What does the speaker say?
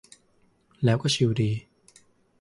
แล้วก็ชิลดี